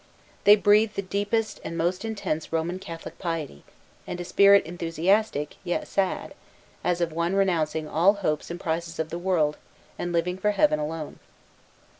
They breathe the deepest and most intense Roman Catholic piety, and a spirit enthusiastic, yet sad, as of one renouncing all the hopes and prizes of the world, and living for Heaven alone.